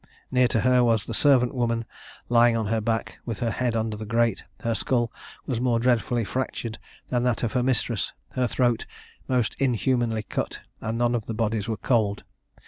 Near to her was the servant woman, lying on her back, with her head under the grate; her skull was more dreadfully fractured than that of her mistress, her throat most inhumanly cut, and none of the bodies were cold.